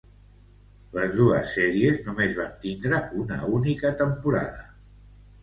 Les dos sèries només van tindre una única temporada.